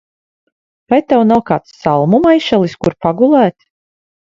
Vai tev nav kāds salmu maišelis, kur pagulēt?